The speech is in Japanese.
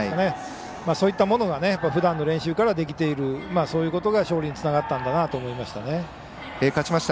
そういったものがふだんの練習からできているそういうことが勝利につながったんだと思いました。